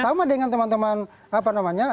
sama dengan teman teman apa namanya